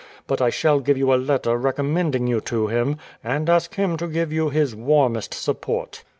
But I shall give you a letter recommending you to him, and ask him to give you his warmest support."